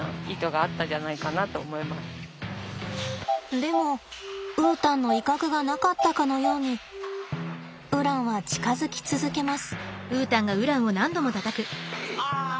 でもウータンの威嚇がなかったかのようにウランは近づき続けます。